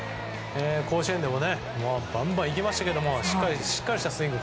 甲子園でもバンバンいきましたけどしっかりとしたスイング。